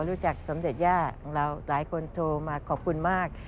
สมเด็จย่าของเราหลายคนโทรมาขอบคุณมาก